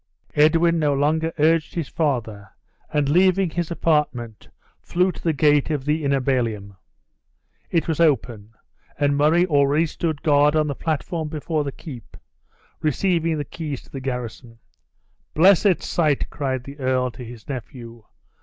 Edwin no longer urged his father, and leaving his apartment, flew to the gate of the inner ballium. It was open; and Murray already stood on the platform before the keep, receiving the keys to the garrison. "Blessed sight!" cried the earl, to his nephew.